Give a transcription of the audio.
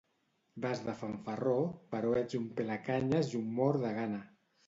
Vas de fanfarró però ets un pelacanyes i un mort de gana